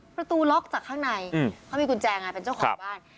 ประตูล็อกจากข้างในเขามีกุญแจไงเป็นเจ้าของบ้าน